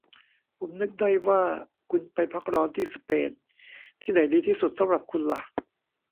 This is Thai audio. ผมนึกได้ว่าคุณไปพักร้อนที่สเปน ที่ไหนดีที่สุดสำหรับคุณหละ